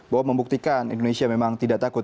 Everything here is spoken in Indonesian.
bahwa membuktikan indonesia memang tidak takut